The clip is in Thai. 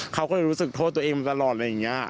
เขาก็จะรู้สึกโทษตัวเองมาตลอดอะไรอย่างนี้